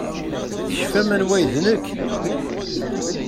Tecfam anwa ay d nekk?